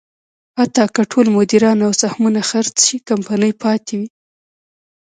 حتی که ټول مدیران او سهمونه خرڅ شي، کمپنۍ پاتې وي.